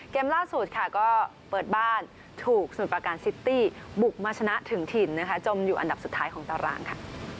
ล่าสุดค่ะก็เปิดบ้านถูกสมุทรประการซิตี้บุกมาชนะถึงถิ่นนะคะจมอยู่อันดับสุดท้ายของตารางค่ะ